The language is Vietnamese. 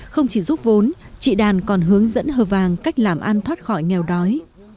không chỉ giúp vốn chị đàn còn hướng dẫn hờ vàng cách làm ăn thoát khỏi nghèo đói